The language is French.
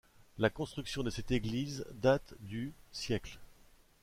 La construction de cette église date du siècle.